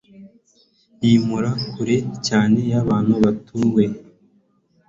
yimura kure cyane yabantu batuwe